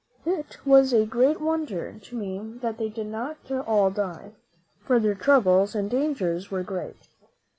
It is a great wonder to me that they did not all die, for their troubles and dangers were great.